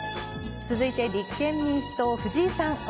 続いて立憲民主党ふじいさん